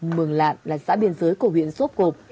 mường lạn là xã biên giới của huyện sốp cộp